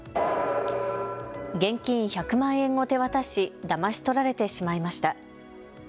現金１００万円を手渡しだまし取られてしまいました。